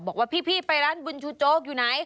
บอกว่าพี่ไปร้านบุญชูโจ๊กอยู่ไหน